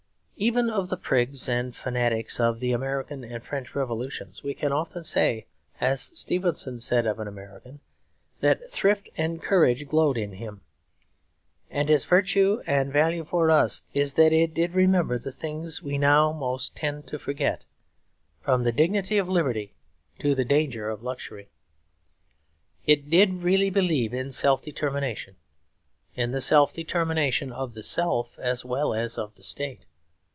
Even of the prigs and fanatics of the American and French Revolutions we can often say, as Stevenson said of an American, that 'thrift and courage glowed in him.' And its virtue and value for us is that it did remember the things we now most tend to forget; from the dignity of liberty to the danger of luxury. It did really believe in self determination, in the self determination of the self, as well as of the state.